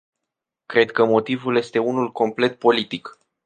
Cred că motivul este unul complet politic.